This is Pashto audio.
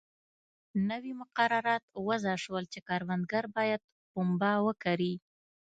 نوي مقررات وضع شول چې کروندګر باید پنبه وکري.